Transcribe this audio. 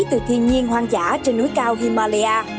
từ thiên nhiên hoang dã trên núi cao himalaya